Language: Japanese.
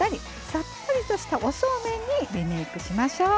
さっぱりとしたおそうめんにリメイクしましょう。